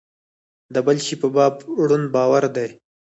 د بل شي په باب ړوند باور دی.